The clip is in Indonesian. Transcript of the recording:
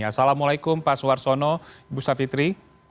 assalamualaikum pak suwarsono ibu savitri